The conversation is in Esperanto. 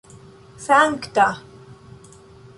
sankta